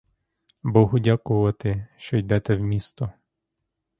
Богу дякувати, що йдете в місто!